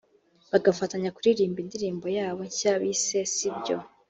bagafatanya kuririmba indirimbo yabo nshya bise ‘Sibyo’